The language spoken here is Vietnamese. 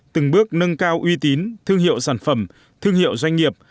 từng bước nâng cao uy tín thương hiệu sản phẩm thương hiệu doanh nghiệp